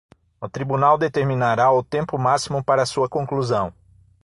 O tribunal determinará o tempo máximo para sua conclusão.